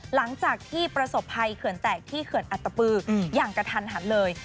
หลังจากที่ประสบภัยเขื่อนแตกที่เขื่อนอัตตปืออย่างกระทันหันเลย